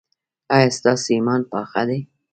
ایا ستاسو ایمان پاخه دی؟